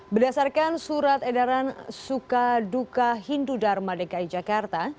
berdasarkan surat edaran sukaduka hindu dharma dki jakarta